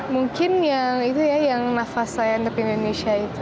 mungkin yang itu ya yang nafas saya untuk indonesia itu